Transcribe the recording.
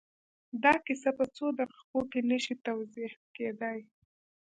دا کيسه په څو دقيقو کې نه شي توضيح کېدای.